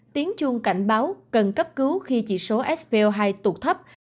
tiến chuông cảnh báo cần cấp cứu khi chỉ số svo hai tụt thấp